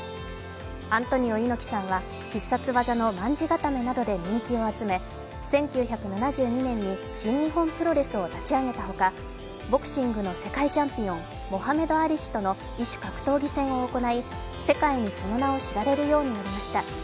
アントニオ猪木さんは必殺技の卍固めなどで人気を集め１９７２年に新日本プロレスを立ち上げたほか、ボクシングの世界チャンピオンモハメド・アリ氏の異種格闘技戦を行い、世界にその名を知られるようになりました。